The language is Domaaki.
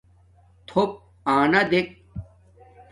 تھݸپ آنݳ دݵک.